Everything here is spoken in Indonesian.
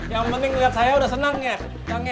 yang penting liat saya udah senang ya ceng